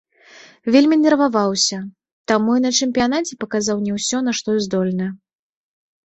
Вельмі нерваваўся, таму і на чэмпіянаце паказаў не ўсё, на што здольны.